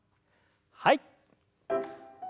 はい。